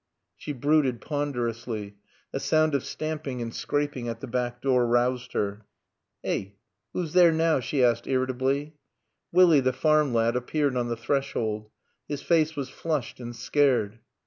She brooded ponderously. A sound of stamping and scraping at the back door roused her. "Eh oo's there now?" she asked irritably. Willie, the farm lad, appeared on the threshold. His face was flushed and scared.